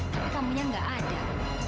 tapi kamunya gak ada